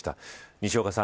西岡さん